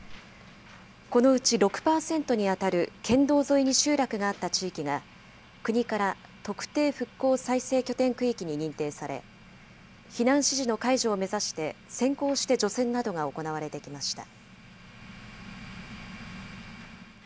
このうち６％に当たる県道沿いに集落があった地域が、国から特定復興再生拠点区域に認定され、避難指示の解除を目指して先行して除染などが行われてきました。